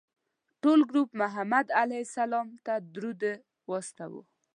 ټول ګروپ محمد علیه السلام ته درود واستوه.